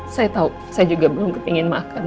saya tau saya juga belum kepengen makan